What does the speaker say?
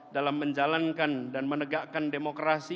dalam menjalankan dan menegakkan demokrasi